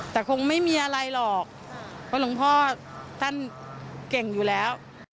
แต่คงไม่มีอะไรหรอกเพราะหลวงพ่อท่านเก่งอยู่แล้ว